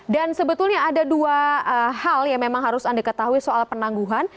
dan sebetulnya ada dua hal yang memang harus anda ketahui soal penangguhan